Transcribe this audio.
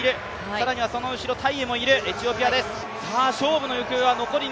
更にはその後ろ、タイエもいる、エチオピアです。